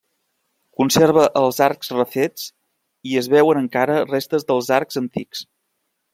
Conserva els arcs refets i es veuen encara restes dels arcs antics.